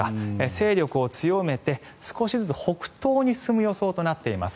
勢力を強めて、少しずつ北東に進む予想となっています。